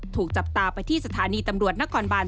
ถูกจับตาไปที่สถานีตำรวจนครบาน